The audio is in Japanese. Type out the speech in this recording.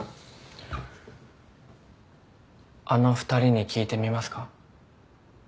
あの２人に聞いてみますか。